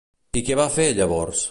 I què van fer, llavors?